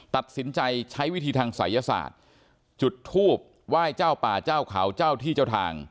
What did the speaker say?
ตัดสินใจใช้วิธีทางศัยศาสตร์จุดทูบไหว้เจ้าป่าเจ้าเขาเจ้าที่เจ้าทาง